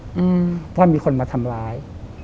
เพราะว่ามีคนมาทำร้าย